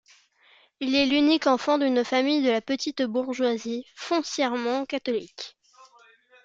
Il est l’unique enfant d’une famille de la petite bourgeoisie, foncièrement catholique.